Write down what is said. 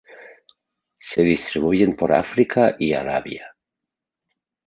Se distribuyen por África y Arabia.